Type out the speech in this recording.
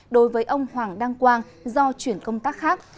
đối với ông hoàng đăng quang do chuyển công tác khác